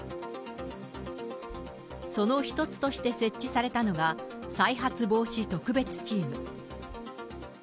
その一つとして設置されたのが、再発防止特別チーム。